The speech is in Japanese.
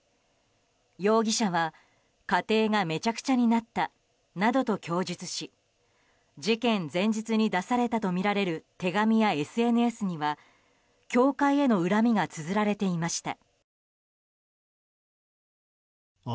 容疑者は、家庭がめちゃくちゃになったなどと供述し事件前日に出されたとみられる手紙やＳＮＳには教会への恨みがつづられていました。